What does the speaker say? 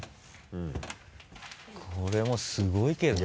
これもすごいけどね。